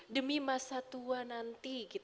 demi masa tua nanti